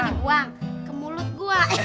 nanti mau dibuang ke mulut gua